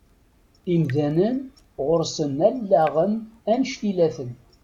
Imdanen ɣuṛ-sen allaɣen annect-ilaten.